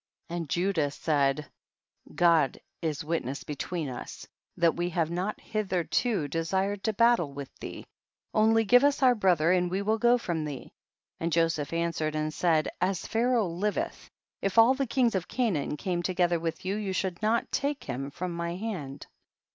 13. And Judah said, God is wit ness between us, that we have not hitherto desired to battle with thee, only give us our brother and we will go from thee ; and Joseph answered and said, as Pharaoh liveth, if all the kings of Canaan came together with you, you should not take him from my hand.